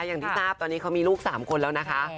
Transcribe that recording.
อย่างที่ทราบตอนนี้เขามีลูก๓คนแล้วนะคะ